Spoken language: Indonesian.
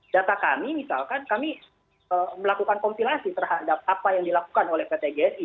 data kami misalkan kami melakukan kompilasi terhadap apa yang dilakukan oleh pt gsi